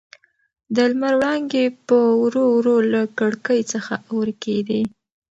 د لمر وړانګې په ورو ورو له کړکۍ څخه ورکېدې.